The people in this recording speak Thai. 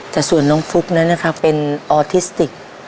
แต่ส่วนน้องฟุ๊คนั้นเป็นออทิสติก